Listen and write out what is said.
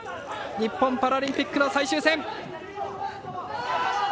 日本パラリンピックの最終戦。